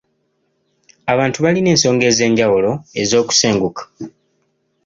Abantu balina ensonga ez'enjawulo ez'okusenguka.